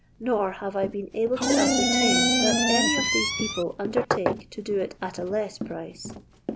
nor have I been able to ascer tain that any of these people undertake to do it at a less price.